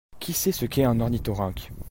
Qui sait ce qu'est un ornithorinque ?